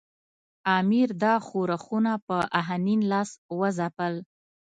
امیر دا ښورښونه په آهنین لاس وځپل.